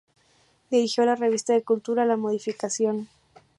Dirigió la revista de cultura La Modificación.